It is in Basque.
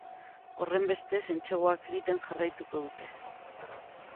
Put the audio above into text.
Horrenbestez, entseguak egiten jarraituko dute.